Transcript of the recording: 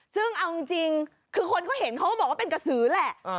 ซึ่งเอาจริงคือคนเขาเห็นเขาก็บอกว่าเป็นกระสือแหละ